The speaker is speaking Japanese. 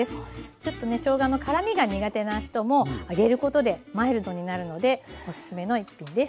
ちょっとねしょうがの辛みが苦手な人も揚げることでマイルドになるのでおすすめの１品です。